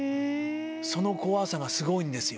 その怖さがすごいんですよ。